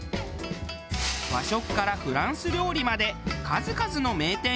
和食からフランス料理まで数々の名店ひしめく